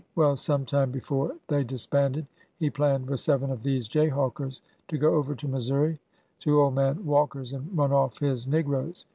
Well, some time before they disbanded he planned with seven of these jayhawkers to go over to Missouri to old man Walker's and run off his negroes.